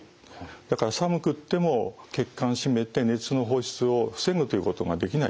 だから寒くっても血管締めて熱の放出を防ぐということができない。